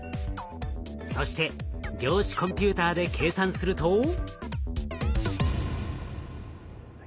そして量子コンピューターで計算すると。